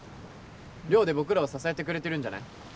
寮で僕らを支えてくれてるんじゃない？